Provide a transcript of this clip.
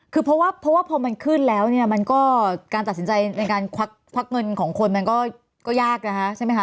คือเพราะว่าพอมันขึ้นแล้วเนี่ยมันก็การตัดสินใจในการควักเงินของคนมันก็ยากนะคะใช่ไหมคะ